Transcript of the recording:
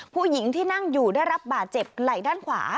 ผู้หญิงที่นั่งอยู่ได้รับบาดเจ็บไหล่ด้านขวา